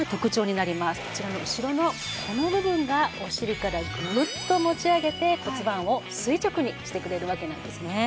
こちらの後ろのこの部分がお尻からグーッと持ち上げて骨盤を垂直にしてくれるわけなんですね。